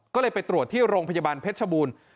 ก็เลยไปตรวจที่โรงพยาบาลเพชรชบูรณ์